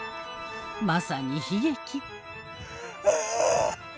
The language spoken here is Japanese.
まさに悲劇。